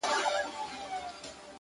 د سترگو تور مي د هغې مخته ايږدمه ځمه-